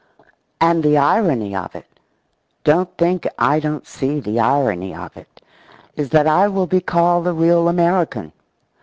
And the irony of it don't think I don't see the irony of it is that I will be called the real American.